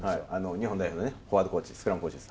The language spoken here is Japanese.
日本代表のね、フォワードコーチ、スクラムコーチの。